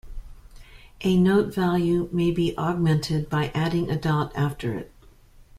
A note value may be augmented by adding a dot after it.